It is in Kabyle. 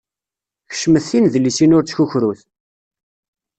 Kecmet tinedlisin ur ttkukrut!